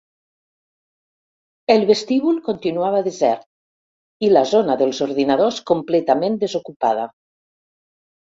El vestíbul continuava desert i la zona dels ordinadors completament desocupada.